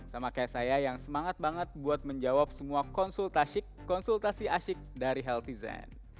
sama kayak saya yang semangat banget buat menjawab semua konsultasi asyik dari healthy zen